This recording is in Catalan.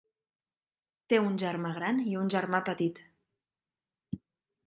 Té un germà gran i un germà petit.